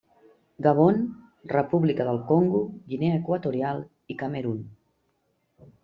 Gabon, República del Congo, Guinea Equatorial i Camerun.